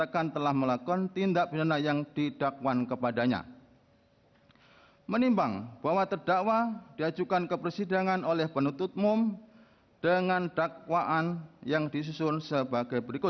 kepulauan seribu kepulauan seribu